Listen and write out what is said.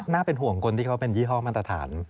น่าเป็นห่วงคนที่เขาเป็นยี่ห้อมาตรฐาน